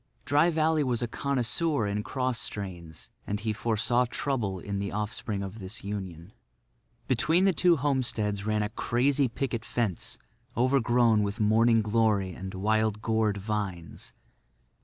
Dry Valley was a connoisseur in cross strains; and he foresaw trouble in the offspring of this union. Between the two homesteads ran a crazy picket fence overgrown with morning glory and wild gourd vines.